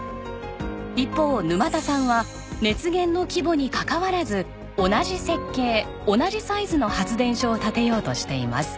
一方沼田さんは熱源の規模に関わらず同じ設計同じサイズの発電所を建てようとしています。